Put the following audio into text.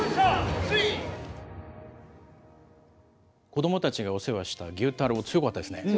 子どもたちがお世話した牛太郎、強かったですね。